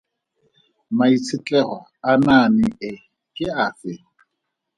Maitshetlego a naane e ke afe?